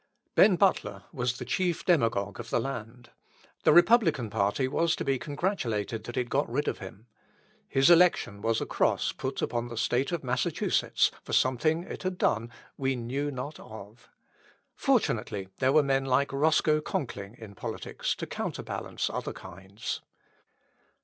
Ben Butler was the chief demagogue of the land. The Republican party was to be congratulated that it got rid of him. His election was a cross put upon the State of Massachusetts for something it had done we knew not of. Fortunately there were men like Roscoe Conkling in politics to counterbalance other kinds.